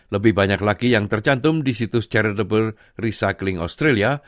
lebih banyak lagi yang tercantum di situs ceredable recycling australia